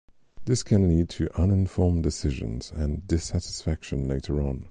This can lead to uninformed decisions and dissatisfaction later on.